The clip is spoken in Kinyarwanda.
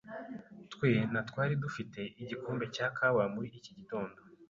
Twe na twari dufite igikombe cya kawa muri iki gitondo.